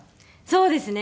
そうですね。